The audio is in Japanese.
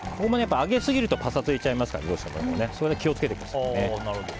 揚げすぎるとパサついちゃいますからそれだけ気を付けてくださいね。